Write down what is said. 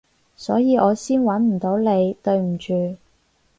所以我先搵唔到你，對唔住